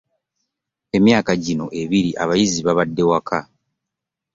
Emyaka gino ebiri abayizi babade waka.